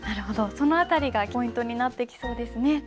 その辺りがポイントになってきそうですね。